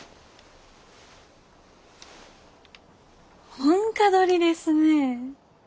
本歌取りですね。